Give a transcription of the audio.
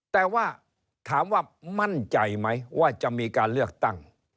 แต่ว่าถามว่ามั่นใจไหมว่าจะมีการเลือกตั้ง